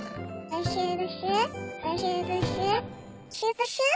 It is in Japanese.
おいしいね！